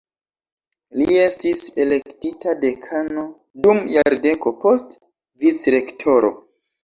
Li estis elektita dekano dum jardeko, poste vicrektoro.